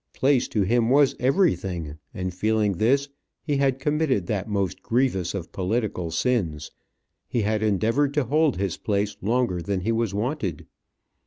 Place to him was everything; and feeling this, he had committed that most grievous of political sins he had endeavoured to hold his place longer than he was wanted.